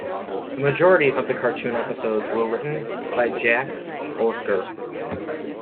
The majority of the cartoon episodes were written by Jack Olesker.